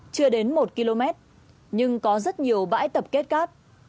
chưa đến một km nhưng có rất nhiều bãi tập kết cát